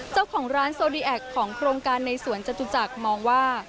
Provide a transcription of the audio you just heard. เจ้าของร้านโซดีแอคของโครงการในสวนจตุจักรมองว่า